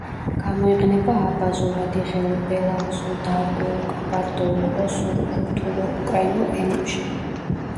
გამოიყენება აბაზურ, ადიღეურ, ბელარუსულ, დარგუულ, ყაბარდოულ, ოსურ, რუთულურ, უკრაინულ ენებში.